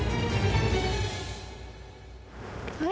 あれ？